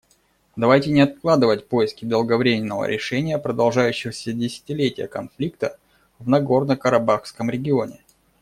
Давайте не откладывать поиски долговременного решения продолжающегося десятилетия конфликта в Нагорно-Карабахском регионе.